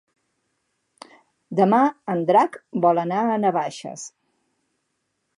Demà en Drac vol anar a Navaixes.